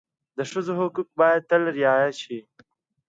د ښځو حقوق باید تل رعایت شي.